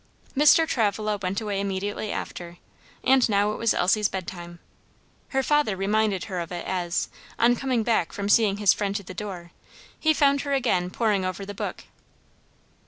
Mr. Travilla went away immediately after and now it was Elsie's bed time. Her father reminded her of it as, on coming back from seeing his friend to the door, he found her again poring over the book.